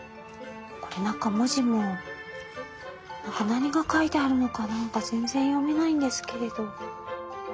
これ中文字も何が書いてあるのかなんか全然読めないんですけれど。